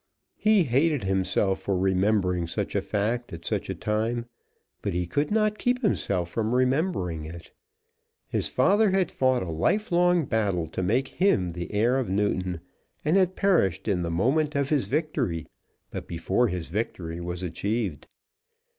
He hated himself for remembering such a fact at such a time, but he could not keep himself from remembering it. His father had fought a life long battle to make him the heir of Newton, and had perished in the moment of his victory, but before his victory was achieved.